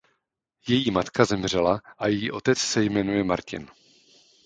Její matka zemřela a její otec se jmenuje Martin.